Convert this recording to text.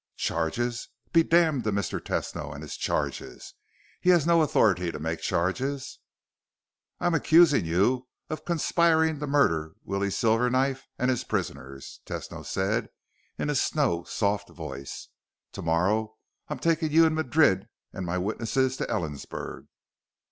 "Charges? Be damned to Mr. Tesno and his charges! He has no authority to make charges!" "I'm accusing you of conspiring to murder Willie Silverknife and his prisoners," Tesno said in a snow soft voice. "Tomorrow I'm taking you and Madrid and my witnesses to Ellensburg."